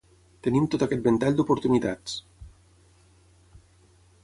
Tenim tot aquest ventall d’oportunitats.